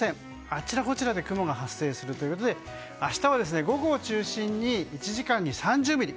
あちらこちらで雲が発生するということで明日は午後を中心に１時間に３０ミリ。